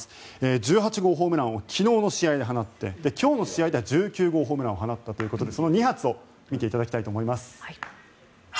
１８号ホームランを昨日の試合で放って今日の試合では１９号ホームランを放ったということでその２発を見ていただきたいと思います。